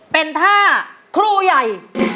เป็นท่าครูใหญ่